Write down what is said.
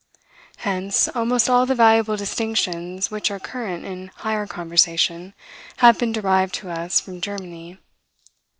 Hence, almost all the valuable distinctions which are current in higher conversation, have been derived to us from Germany.